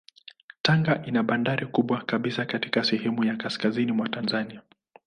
Tanga ina bandari kubwa kabisa katika sehemu ya kaskazini mwa Tanzania.